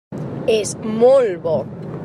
És molt bo.